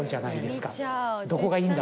「どこがいいんだ？